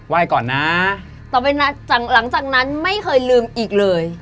ก่อนนะต่อไปนะหลังจากนั้นไม่เคยลืมอีกเลย